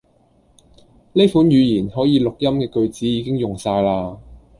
呢款語言可以錄音既句子已經用哂啦